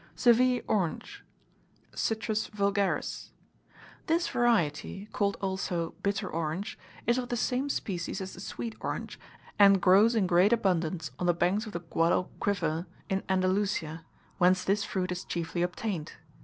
SEVILLE ORANGE (Citrus vulgaris). This variety, called also bitter orange, is of the same species as the sweet orange, and grows in great abundance on the banks of the Guadalquiver, in Andalusia, whence this fruit is chiefly obtained.